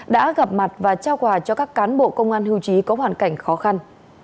đã gặp mặt và trao quà cho các cán bộ công an hưu trí có hoàn cảnh khó khăn